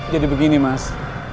jadi begini mas